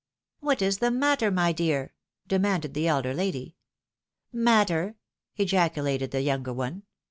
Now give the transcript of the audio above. " What is the matter, my dear ?" demanded the elder lady. " Matter !" ejaculated the younger one.